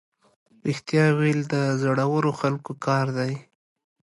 رښتیا ویل د زړورو خلکو کار دی.